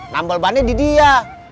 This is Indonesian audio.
tambel ban nya di dia